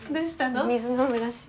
お水飲むらしい。